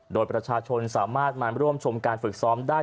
โดยประชาชนสามารถมาร่วมชมการฝึกซ้อมได้